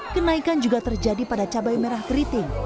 kenaikan juga terjadi pada cabai merah keriting